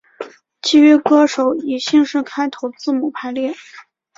其余歌手以姓氏开头字母排列。